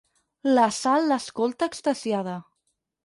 La Sal l'escolta extasiada.